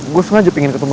gue sengaja pengen ketemu